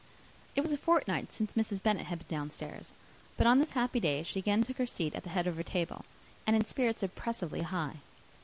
It was a fortnight since Mrs. Bennet had been down stairs, but on this happy day she again took her seat at the head of her table, and in spirits oppressively high.